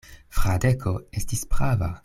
Fradeko estis prava.